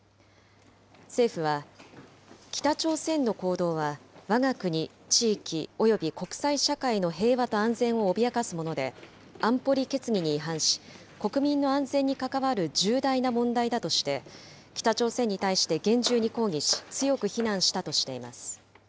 政府は、北朝鮮の行動はわが国、地域、および国際社会の平和と安全を脅かすもので、安保理決議に違反し、国民の安全に関わる重大な問題だとして、北朝鮮に対して厳重に抗議し、強く非難したとしています。